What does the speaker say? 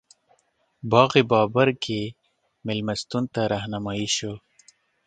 باغ بابر کې مېلمستون ته رهنمایي شوو.